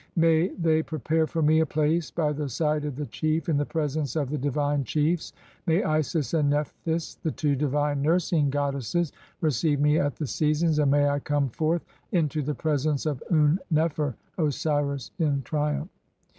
May they prepare for me "a place by the side of the Chief in the presence of the divine "chiefs ; may Isis and Ncphthys, the two divine nursing god "desses, receive me at the seasons, and may I come forth (22) "into the presence of Un nefer (J. e., Osiris) in triumph.